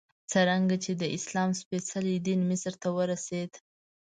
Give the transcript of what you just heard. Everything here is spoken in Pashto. څرنګه چې د اسلام سپېڅلی دین مصر ته ورسېد.